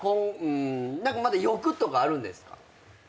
まだ欲とかあるんですか？